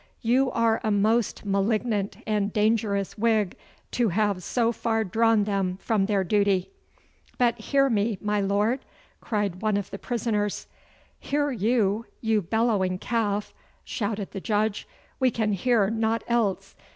You are a most malignant and dangerous Whig to have so far drawn them from their duty.' 'But hear me, my Lord!' cried one of the prisoners. 'Hear you, you bellowing calf!' shouted the Judge. 'We can hear naught else.